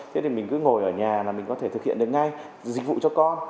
thế thì mình cứ ngồi ở nhà là mình có thể thực hiện được ngay dịch vụ cho con